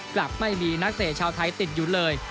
กลับไม่มีนักเตะชาวไทยติดอยู่เลย